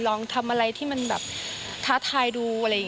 ลองทำอะไรที่มันแบบท้าทายดู